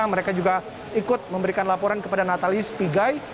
mereka juga ikut memberikan laporan kepada natalius pigai